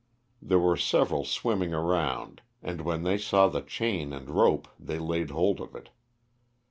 There were several swimming around and when they saw the chain and rope they laid hold of it.